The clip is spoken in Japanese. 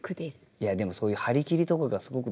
いやでもそういう張り切りとかがすごく見えるね。